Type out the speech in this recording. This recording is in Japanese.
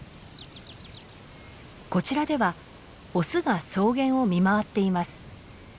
こちらではオスが草原を見回っています。